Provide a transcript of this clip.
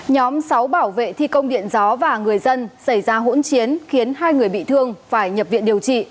nhóm sáu bảo vệ thi công điện gió và người dân xảy ra hỗn chiến khiến hai người bị thương phải nhập viện điều trị